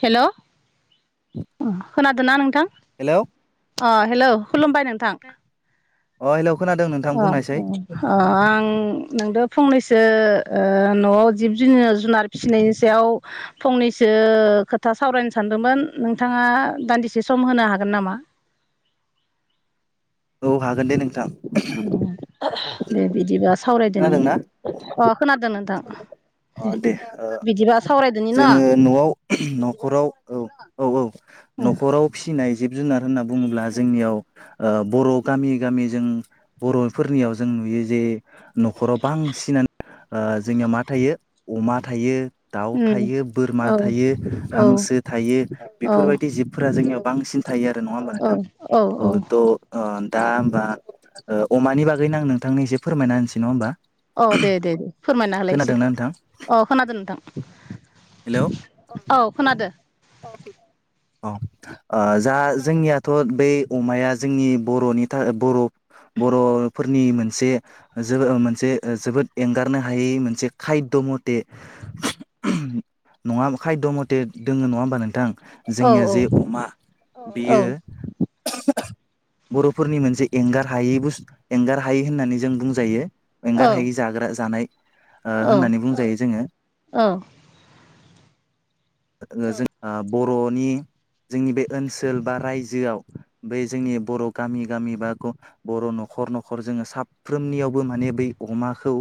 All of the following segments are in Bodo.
हेल' खोनादों ना नोंथां हेलौ अ हेल' खुलुमबाय नोंथां। अ हेलौ खोनादों नोंथां अ बुंनायसै अ ह आं नोंद फंनैसो ओ न'आव जिब जुननि जोङो जुनार फिसिनायनि सायाव फंनैसो खोथा सावरायनो सानदोंमोन नोंथाङा दान्दिसे सम होनो हागोन नामा। [inaudible] औ हागोन दे नोंथां। दे बिदिबा खोनादों सावरायदोनि ना अ खोनादों नोंथां। [inaudible] अ दे ओ बिदिबा सावरायदोनि न जोङो न'आव उम न'खराव औ औ औ न'खराव फिसिनाय जिब जुनार होनना बुङोब्ला जोंनियाव ओ बर' गामि गामि जों बर'फोरनियाव जों नुयो जे न'खराव बांसिनानो ओ जोंनिया मा थायो अमा थायो। दाउ उम थायो बोरमा औ थायो औ हांसो थायो औ बेफोरबायदि जिबफोरा जोंनियाव बांसिन थायो आरो नङा होमब नोंथां औ थ' दा होमबा ओ अमानि बागैनो आं नोंथांनो एसे फोरमायना होनोसै नङाहोमबा। औ दे दे दे फोरमायना हालाय एसे नोंथां अ खोनादों नोंथां। हेलौ औ खोनादो। औ ओ जा जोंनियाथ' बै अमाया जोंनि बर'नि थाखाय बर' बर'फोरनि मोनसे ज ल मोनसे जोबोद एंगारनो हायै मोनसे खायद' मथे नङा खाय' मथे दोङो नङा होमबा नोंथां। औ जोंनिया औ जे अमा औ बेयो अह अह बर'फोरनि मोनसे एंगार हायै बुस् एंगार हायि होननानै जों बुंजायो औ एंगार हायै जाग्रा जानाय ओ होननानै बुंजायो जोङो। [inaudible] ओ जों आ बर'नि जोंनि बे ओनसोल बा रायजोआव बे जोंनि बर' गामि गामि बा बर' न'खर नखर न'खर जोङो साफ्रोमनियावबो माने बै अमाखौ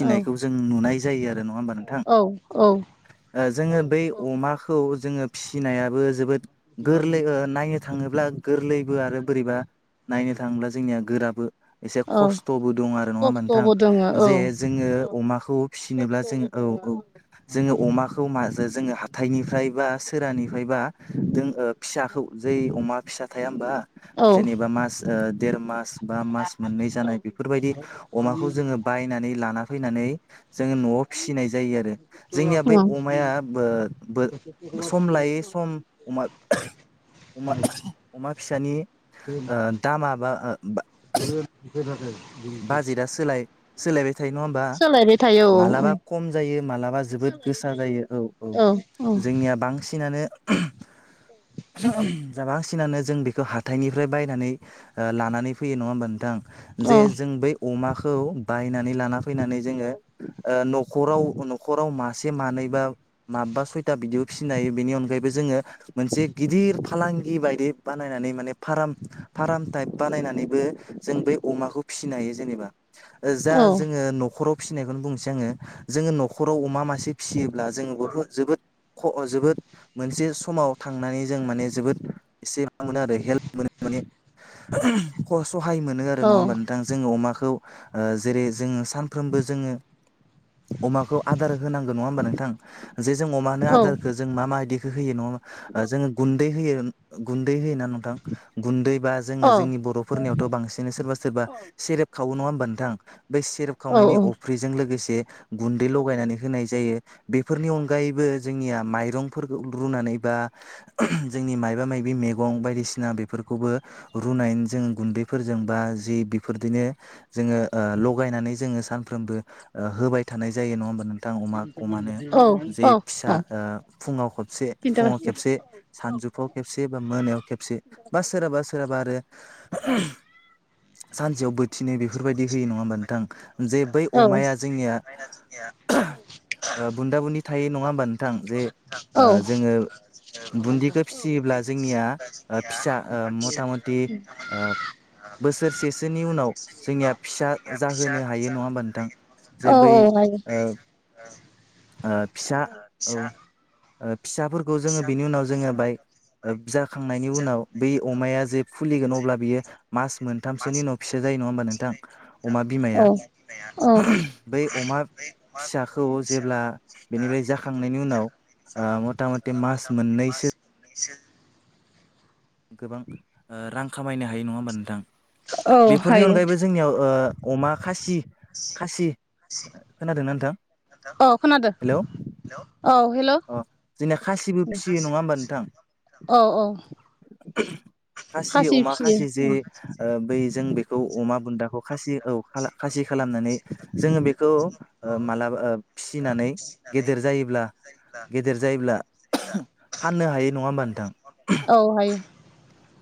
औ जों नुनाय जायो आरो नङा होमबा? नोंथां औ औ ओ जोङो बै अमाखौ जोङो फिसिनायाबो जोबोद गोरलै ओ नायनो थाङोब्ला गोरलैबो आरो बोरैबा नायनो थाङोब्ला जोंनिया गोरा एसे औ खस्थ'बो दं आरो नङा होमबा नोंथां खस्थ'बो दोङो औ जे जोङो अमाखौ फिसिनोब्ला जोंङो औ औ जोङो अमाखौ मा जो जोङो हाथायनिफ्राय बा सोरानिफ्रायबा जों ओ फिसाखौ जै अमा फिसा थाया होमबा औ ओं जेनेबा मास ओ देर मा स बा मास मोननै जानाय बेफोरबायदि अमाखौ जोंङो बयनानै लाना फैनानै जोङो न'आव फिसिनाय जायो। आरो जोंनिया बै अमाया बो बो सम लायै सम अमा आह अमा ओह अमा फिसानि ओ दामा बा बाजेटआ सोलाय सोलायबाय थायो नङा होमबा सोलायबाय थायो मालाबा खम जायो। मालाबा जोबोद गोसा जायो औ औ जोंनिया बांसिनानो [inaudible] बांसिनानो जों बेखौ हाथाइनिफ्राय बायनानै ओ लानानै फैयो नङा होमबा नोंथां। औ जे जों बै अमाखौ बायनानै ला फैनानै जोङो' ओ नखराव नखराव मासे मा नानैबा माबा सयथा बिदिबो फिनो हायो बेनि अनगायैबो जोंङो मोनसे गिदार फालांगि बा दि बानायनानै माने पाराम थाएफ बायनानैबो जों बै अमाखौ फिसिनो हायो जेनेबा जा औ जोङो न'खराव फिसिनायखौनो बुंनोसै आङो जोङो न'खराव अमा मासे फिसियोब्ला जोङो बहुथ जोबोद जोबोद मोनसे समाव थांनानै जों माने जोबोद एसे मा मोनो आरो हेल्प मोनो माने [unintelligible] सहाय मोनो आरो नङा होमबा औ नों अमाखौ ओ जेरै जोङो सानफ्रामबो जोङो अमाखौ आदार होनांगौ नङा होमबा नोंथां जे जों अमानो औ आदारखो जों मा मायदि खो होयो [unintelligible] ओ जोङो गुन्दै होयो गुन‌ दै होयोना नोंथां गुन्दैबा जोङो औ जोंनि बर'फोरनियावथ' बांसिनै सोरबा सोरबा सेरेब खावो नङा होमब नोंथां बै सेरेब खावनायनि औ अफ्रिजों लोगोसे गुन्दै लगायनानै होनाय जायो बेफोरनि अनगायैबो जोंनिया माइरंफोरखौ रुनानै जोंनि माबा माबि मै बायदिसिनाफोरखौ रुनानै ज गुन्दै फोरजों बा जि बि फोरदिनो जोङो ओ लगायनानै जोङो सानफ्रोमबो ओ होबाय थानाय जायो नङा होमबा नों थां अमा-अमानो औ जे फिसा औ ओ फुङाव खबसे फुङाव खिन्थागासिनो खेबसे सानजु फाव खेबसे बा मोनायाव खेबसे बा सोरहाबा सोराबा आरो [unintelligible] सानसेयाव बो थिनै बेफोरबायदि होयो नङा होमबा नोंथां जे बै औ अमाया जोंनिया [unintelligible] ओ बुन्दा बुन्दि थायो नङा होमबा नोंथां जे औ ओ जोङो बुन्दिखो फिसियोब्ला जोंनिया ओ फिसा ओ मथा मथि ओ बोसोरसेसो आव जोंनिया फिसा जाहोनो हायो नङा होमबा नोंथां औ जे बै हायो ओ ओ फिसा औ फिसाफोरखौ जोङो बिनि उनाव जोङो बाय ओ जाखांनायनि उनाव बै अमाया जे फुलिगोन अ अब्ला बियो मास मोनथामसोनि उनाव फिसा जायो नङा होमबा नोंथां अमा औ बिमाया औ [unintelligible] बै अमा फिसाखौ जेब्ला बेनिफाय जाखांनायनि उनाव मथा मथि मास मोननैसो [unintelligible] गोबां ओ रां खामायनो हायो नङा होमबा औ नोंथां बेफोरनि हायो अनगायैबो जोंनियाव ओ अमा खासि खासि खोनादोंना नोंथां औ खोनादो हेलौ औ हेल' अ जोंना खासिबो फिसियो नङा होमबा नोंथां औ औ खासि अमा खासि जे फिसियो उम ओ बै जों बे खौ अमा बुन्दाखौ खासि औ खाला खासि खालामनानै जोङो बेखौ ओ मालाबा ओ फिसिनानै गेदेर जायोब्ला गेदेर जायोब्ला फाननो हायो नङा होमबा नोंथां [unintelligible] औ हायो।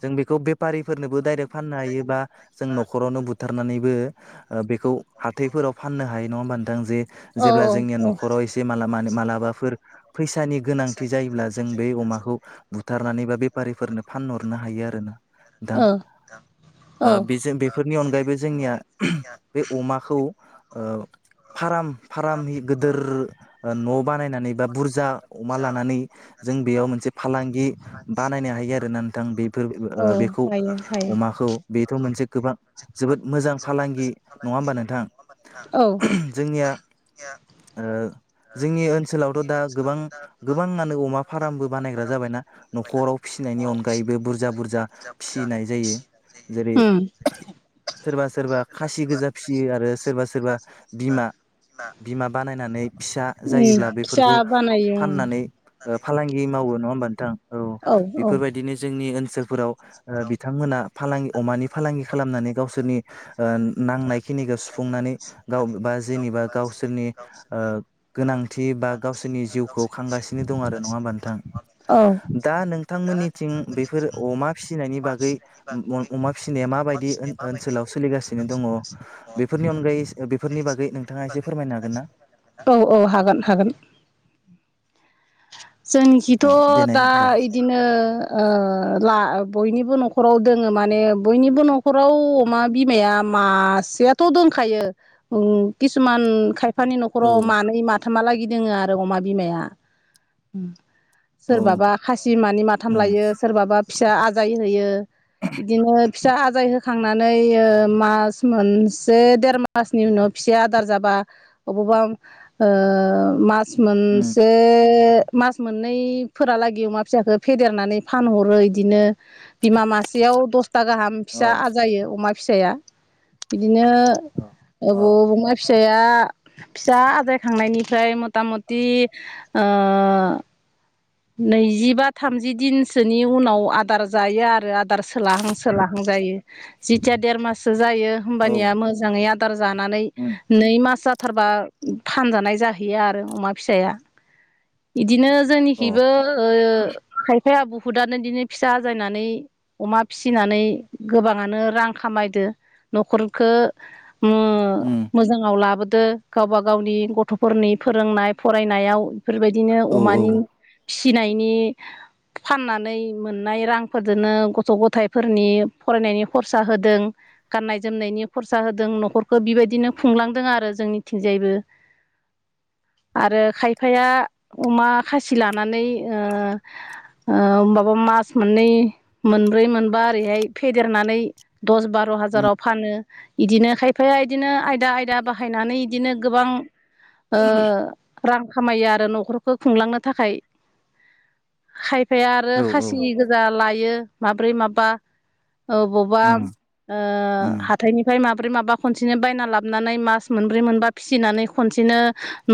जों बेखौ बेपारिफोरनोबो डाइरेक्ट फाननो हायोबा जों न'खरावनो बुथ थारनानैबो ओ बेखौ हाथायफोराव फाननो हायो नङा होमबा नोंथां औ जे-जेब्ला जोंनिया औ औ न'खराव एसे माला मानो मालाबाफोर फैसानि गोनांथि जायोब्ला जों बे अमाखौ बुथारनानै बा बेफारिफोरनो फानहर [unintelligible] नो हायो आरो ना [unintelligible] ओ ओ औ बेजों बेफोरनि अनगायैबो जोंनिया बे अमाखौ ओ फाराम फारामनि गोदोर ओ न' बानायनानै बा बुर जा अमा लानानै जों बेयाव मोनसे फालांगि बानायनो हायो आरो ना थां बेफोर औ ओ बेखौ हायो हायो अमाखौ बेथ' मोनसे गोबां जोबोद मोजां फालांगि नङा होमबा नोंथां औ [unintelligible] जोंनिया [unintelligible] ओ जोंनि ओनसोलावथ' दा गोबां-गोबाङानो अमा फारामबो बानायग्रा जाबायना न'खराव फिसिनायनि अन गायैबो बुरजा बुरजा फिसिनाय जायो जेरै उम [unintelligible] सोरबा सोरबा खासि गोजा फिसियो आरो सोरबा सोरबा बिमा बिमा बानायनानै फिसा उम जायोब्ला फिसा बेफोरखौ बानायो फाननानै फालांगि मावो नंङा होमबा नोंथां? औ औ बेफोरबायदिनो जोंनि ओनसोलफोराव बिथांमोना फालांगि अमानि फालांगि खालामनानै गावसोरनि‌ ओ नांनाय खिनिखौ सुफुंनानै गाव बा जेनेबा गावसोरनि ओ गोनां थि गावसोरनि जिउखौ खांगासिनो दं आरो नङा होमा नोंथां औ दा नोंथांमोननिथिं बेफोर अमा फिसिनायनि बागै अमा फिसिनाया माबायदि ओनसोलाव सोलिगासिनो दङ [unintelligible] बेफोरनि अनगायै बेफोरनि बागै नोंथाङा एसे फोरमायनो हागोन ना औ औ हागोन हागोन [inaudible] औ जोंनिखिथ' देनाय दा होनबा इदिनो ओ ला बयनिबो न'खराव दोङो माने बयनिबो न'खराव अमा बिमाया मासेयाथ' दखायो किसुमान खायफानि न'खाव औ मानै माथ थामालागि दङो आरो अमा बिमाया औ सोरबाबा खासि मानि माथाम उम लायो सोरबाबा फिसा आजाय होयो इदिनो फिसा आजाय होखांनानै मास मोनसे देर मासनि उनाव फिसाया आदार जाबा बा अबावबा ओ मास उम मोनसे मास मोननै फोरलागै अमा फिसखौ फेदेरनानै फानहरो इदिनो बिमा मासेयाव दसथा गाहाम फिसा अ आजायो अमा फिसाया बिदिनो अ अ अबाव अमा फि साया फिसा आजायखांनायनिफ्राय मथा मथि ओ ओ नैजिबा थामजि दिनसोनि उनाव आदार जायो आरो दार सोलाहां सोलाहां जायो जिथिया देर माससो जायो औ होमबानिया मोजाङै आदार जानानै उम नै मास जाथारबा फानजानाय जाहैयो आरो अमा फिसाया बिदिनो अ जोंनिखिबो ओ खाय फाया बुहुदानो बिदिनो फिसा आजायनानै अमा फिसिनानै गोबाङानो रां खामायदो न'खरखो म उम मोजांङाव लाबोदो गावबा गावनि गथ'फोरनि फोरोंनाय फरायनायाव बेफोरबायदिनो औ औ अमानि फिसिनायनि फाननानै मोननाय रांफोरजोंनो गथ' गथायाइफोरनि फरायनायनि खरसा होदों गाननाय जोमनायनि खरसा होदों न'खरखौ बेबायदिनो खुंलांदों आरो जोंनिथिंजायबो आरो खाय फाया अमा खासि लानानै ओ ओ माबा मास मोननै मोनब्रै मोनबा ओरैहाय फेदेरनानै दस बार' उम हाजाराव फानो इदिनो खायफाया इदिनो आयदा आयदा बाहायनानै इदिनो गोबां ओ रां खामायो आरो न'खरखौ खुंलांनो थाखाय खाय फाया आरो औ औ खासि गोजा लायो माब्रै माबा ओबावबा उम ओ उम हाथायनि फ्राय माब्रै माबा खनसेनो बायना लाबानै मास मोनब्रै मोनबा फिसिनानै खनसेनो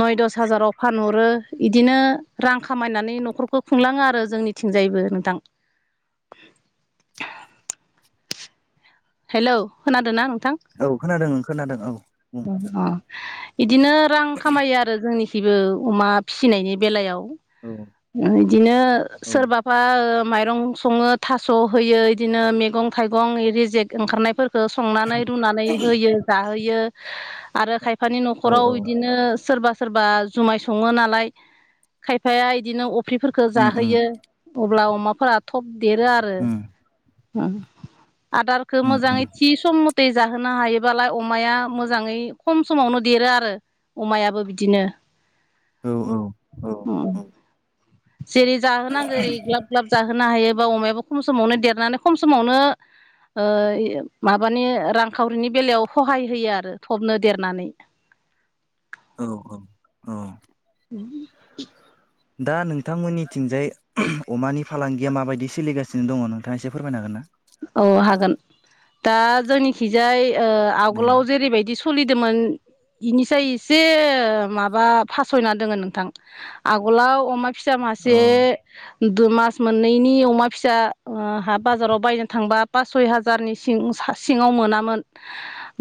नय दस हाजाराव फानहरो बिदिनो रां खामायनानै न'खरखौ खुंलाङो आरो जोंनिथिंजायबो नोंथां [inaudible] हेलौ खोनादों ना नों थां? औ खोनादों ओं खोनादों औ उम अ इदिनो रां खामायो आरो जोंनि थिबो अमा फिसिनायनि बेलायाव औ इदिनो औ सोरबाबा माइरं सङो, थास' होयो, इदिनो मैगं-थाइगं रिजेक ओंखारनायफोरखौ संनानै रुनानै होयो जाहोयो आरो खाय फानि औ न'खराव औ बिदिनो सोरबा-सोरबा जुमाय सङो नालाय खायफाया बिदिनो अफ्रिफोरफोरखौ उम उम जाहोयो, अब्ला अमाफोरा थब देरो आरो उम ओम आदारखौ उम उम मोजाङै थि समख थे जाहोनो हायोबालाय अमाया मोजाङै खम समावनो देरो आरो। अमायाबो बिदिनो। औ औ औ औ। जेरै जाहोनांगौ ओरै ग्लाब ग्लाब जाहोनो हायो बा अमायाबो खम समावनो देरनानै खम समावनो ओ माबानि रांखावरिनि बेलायाव सहाय होयो आरो थबनो देरनानै। [inaudible] औ औ औ। [inaudible] दा नोंथांमोननिथिंजाय ओहोम‌ अमानि फालांगिया माबायदि सोलिगासिनो दङ नोंथाङा एसे फोरमायनो हागोन ना? औ हागोन। दा जोंनिखिजाय ओ आगोलाव देनाय जेरैबायदि स सलिदोंमोन बेनिसाय एसे माबा फासयना दोङो नोंथां आगोलाव अमा फिसा औ मासे मास मोननैनि अमा फिसा ओ हा बाजाराव बायनानै थांबा पास सय हाजारनि सिं सिङाव मोनामोन।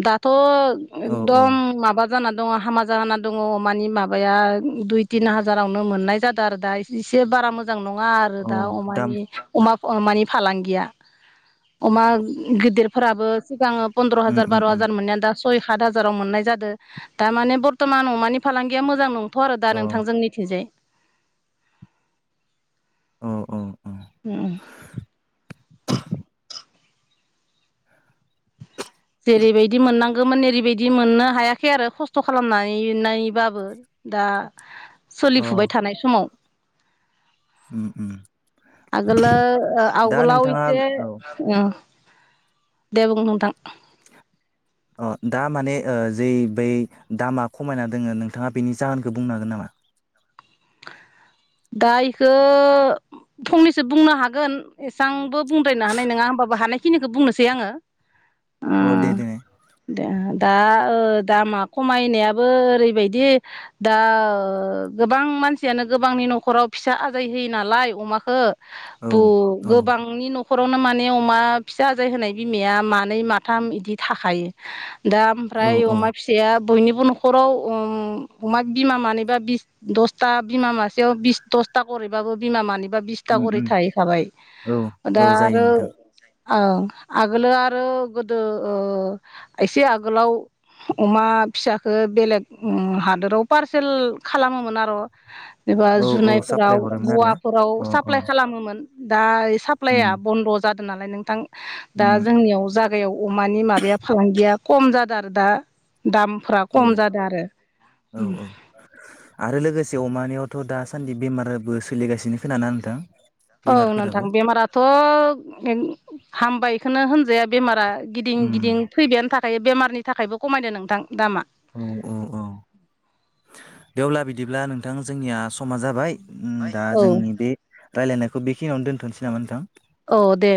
दाथ' औ औ एकदम माबा जाना दङ हामा जाहाना दङ अमानि माबाया दुइ तिन हाजारावनो मोननाय जादों आरो दा ए एसे बारा मोजां नङा आरो दा औ दाम अमानि अमा अमानि फालांगिया। अमा गिदिरफोराबो सिगां पन्द्र' उम हाजार उम बार' उम हाजार मोननायानो दा सय सात हाजाराव मोननाय जादों। दामाने बर्थ'मान अमानि फालांगिया मोजां नं थ'आ आरो दा औ नोंथां जोंनिथिंजा। औ औ औ। उम। जेरैबायदि मोननां गोमोन ओरैबायदि मोननो हायाखै आरो खस्थ' खालामनाय नायबाबो दा औ सोलिफुबाय थानाय समाव। उम उम [inaudible] आगोलो दा आवगोलाव नोंथाङा एसे औ ओम दे बुं नोंथां। अ दा माने जै बै दामा खमायना दोङो नोंथाङा बेनि जाहोनखौ बुंनो हागोन नामा? [inaudible] [inaudible] दा इखो फंनैसो बुंनो हागोन एसांबो बुंद्रायनो हानाय नङा। होनबाबो हानायखिनिखौ बुंनोसै आङो। अ उम दे देनाय दा ओ दामा खमायनायाबो ओरैबायदि दा ओ गोबां मानसियानो गोबांनि न'खराव फिसा आजाय होयो नालाय अमाखो औ बु औ गोबांनि न खरावनो माने अमा फिसा आजाय होनाय बिमाया मानै माथाम इदि थाखायो। दा औ ओमफ्राय औ अमा फिसाया बयनिबो न'खराव अमा बिमा मानैबा बिस दस दा बिमा मासेयाव बिस दसता खरिबाबो बिमा मानि बा बिसथा उम खरि उम थाहैखाबाय औ दा औ जायो आरो नोंथां ओं आगोलो आरो गोदो एसे आगोलाव अमा फिसखौ बेलेग हादोराव पारसेल खालामोमोन आरो एबा औ औ साप्लाय जुनायफोराव हरोमोन आरो गवाफोराव अ अ साप्लाइ खालामोमोन दा उम साप्लाइआ बन्द जादों नालाय नोंथां दा उम जोंनियाव जागोन जागायाव अमानि माबाया फालांगिया खम जादों आरो दा। दामफोरा औ खम जादों आरो। से अमानियावथ' दासान्दि बेमाराबबो सोलिगासिनो खोनाना नोंथां औ नोंथां बेमारफोराबो बेमाराथ' हामबायखौनो होनजाया बेमारा गिदिं उम गिदिं फैबायानो थाखायो बेमारनि थाखायबो खमायद' नोंथां दामा औ औ औ बे अब्ला बिदिब्ला नोंथां जोंनिया समा जाबाय दा औ जोंनि बे रायलायनायखौ बेखिनियावनो दोनथ'नोसै नामा नोंथां । औ दे ।